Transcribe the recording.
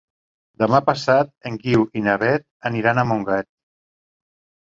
Demà passat en Guiu i na Beth aniran a Montgat.